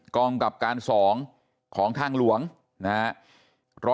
กองกับการ๒ของทางหลวงนะครับ